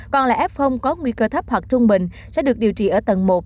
còn là f có nguy cơ thấp hoặc trung bình sẽ được điều trị ở tầng một